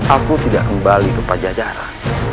aku tidak kembali ke pajajaran